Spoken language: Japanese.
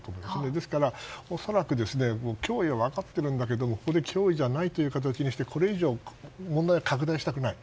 ですから恐らく脅威は分かってるんだけどもここで脅威じゃないという形にしてこれ以上、問題を拡大したくない。